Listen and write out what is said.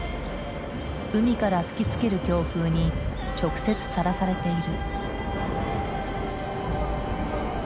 海から吹きつける強風に直接さらされている。